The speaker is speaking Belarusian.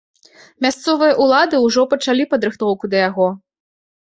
Мясцовыя ўлады ўжо пачалі падрыхтоўку да яго.